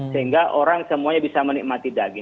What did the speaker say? sehingga orang semuanya bisa menikmati daging